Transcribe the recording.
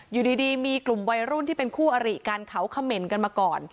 อยู่ดีมีกลุ่มวัยรุ่นที่เป็นคู่อริกันเขาเขม่นกันมาก่อน